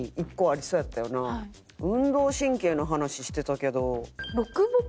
運動神経の話してたけど。